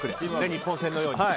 日本戦のように。